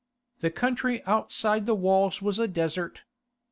The country outside the walls was a desert.